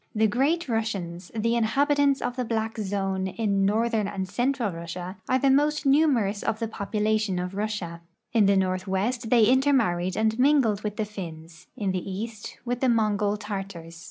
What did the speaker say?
The Great Russians, the inhabitants of the black zone in north ern and central Russia, are the most numerous of the poioulation of Russia, In the northwest they intermarried and mingled with the Finns ; in the east with the Mongol Tartars.